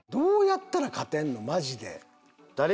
マジで。